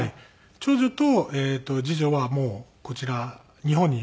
長女と次女はもうこちら日本にいるんですけど。